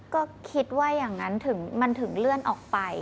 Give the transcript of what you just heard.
ก็คิดว่าอย่างนั้นมันถึงเลื่อนออกไป